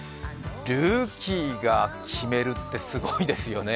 ルーキーが決めるってすごいですよね。